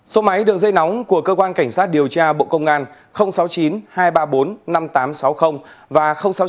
số máy đường dây nóng của cơ quan cảnh sát điều tra bộ công an sáu mươi chín hai trăm ba mươi bốn năm nghìn tám trăm sáu mươi và sáu mươi chín hai trăm ba mươi một một nghìn sáu trăm bảy